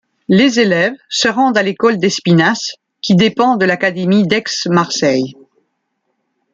Les élèves se rendent à l'école d'Espinasses, qui dépend de l'académie d'Aix-Marseille.